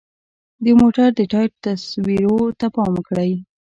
د موټر د ټایر تصویرو ته پام وکړئ.